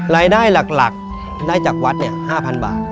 รายได้หลักได้จากวัด๕๐๐บาท